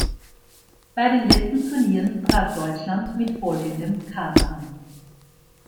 Bei den letzten Turnieren trat Deutschland mit folgendem Kader an.